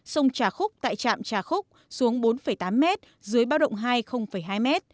sông trà khúc tại trạm trà khúc xuống bốn tám m dưới báo động hai hai m